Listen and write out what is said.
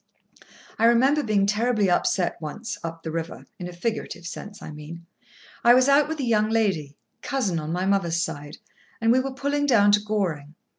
I remember being terribly upset once up the river (in a figurative sense, I mean). I was out with a young lady—cousin on my mother's side—and we were pulling down to Goring.